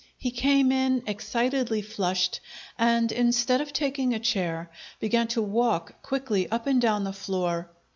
He came in, excitedly flushed, and, instead of taking a chair, began to walk quickly up and down the floor.